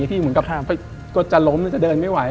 ที่เหมือนกับทางก็จะล้มจะเดินไม่ไหว